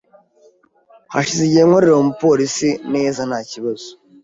hashize igihe nkorera uwo mu polisi neza nta kibazo